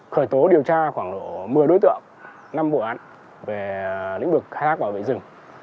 khởi tố điều tra khoảng độ một mươi đối tượng năm vụ án về lĩnh vực khai thác bảo vệ rừng